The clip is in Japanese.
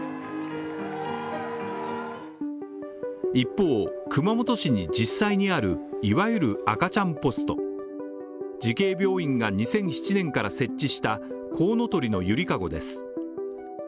一方、熊本市に実際にある、いわゆる赤ちゃんポスト慈恵病院が２００１年から設置したこうのとりのゆりかごです。